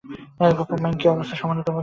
Propyne কি অবস্থান সমানুতা প্রদর্শন করে?